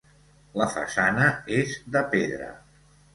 La façana és de pedra.